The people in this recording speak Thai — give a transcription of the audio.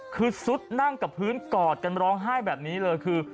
คือซุดนั่งกับพื้นกอดกันร้องไห้แบบนี้เลยคือ